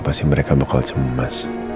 pasti mereka bakal cemas